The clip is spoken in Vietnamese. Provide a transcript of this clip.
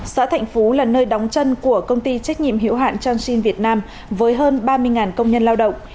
xã thạnh phú là nơi đóng chân của công ty trách nhiệm hiệu hạn chancin việt nam với hơn ba mươi công nhân lao động